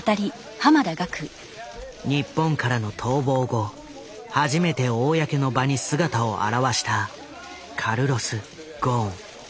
日本からの逃亡後初めて公の場に姿を現したカルロス・ゴーン。